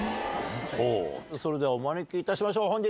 それではお招きいたしましょう。